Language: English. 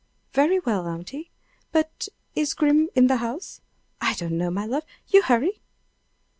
"Very well, aunty! But is Grim in the house?" "I don't know, my love. You hurry."